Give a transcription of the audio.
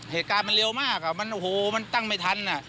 เหตุการณ์มันเร็วมากมันโอ้โหมันตั้งไม่ทัน